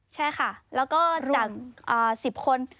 ใช่ค่ะแล้วก็จาก๑๐คน